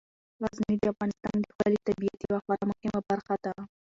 غزني د افغانستان د ښکلي طبیعت یوه خورا مهمه برخه ده.